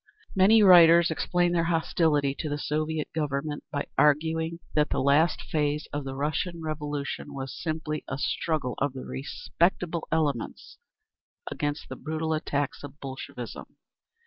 Many writers explain their hostility to the Soviet Government by arguing that the last phase of the Russian Revolution was simply a struggle of the "respectable" elements against the brutal attacks of Bolshevism.